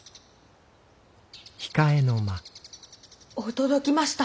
驚きました。